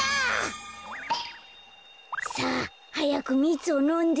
さあはやくみつをのんで。